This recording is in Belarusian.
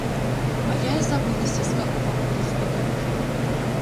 А я і забылася, з каго паходзіць студэнт.